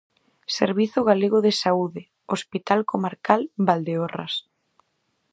Servizo Galego de Saúde, Hospital Comarcal Valdeorras.